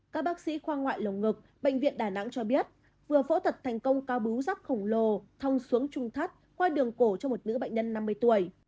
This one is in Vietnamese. các bác sĩ khoa ngoại lồng ngực bệnh viện đà nẵng cho biết vừa phẫu thuật thành công cao bíu rắp khổng lồ thong xuống trung thắt khoai đường cổ cho một nữ bệnh nhân năm mươi tuổi